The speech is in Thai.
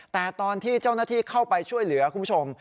แต่ตอนที่เจ้าหน้าที่เข้าไปช่วยเหลือคุณผู้ชม